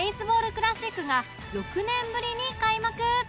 クラシックが６年ぶりに開幕！